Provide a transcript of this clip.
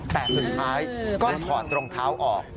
แต่สุดท้ายก็ถอดรองเท้าออก